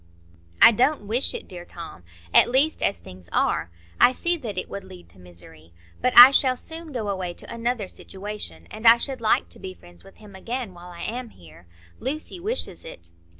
"I don't wish it, dear Tom, at least as things are; I see that it would lead to misery. But I shall soon go away to another situation, and I should like to be friends with him again while I am here. Lucy wishes it."